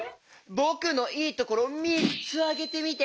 ぼくのいいところをみっつあげてみて。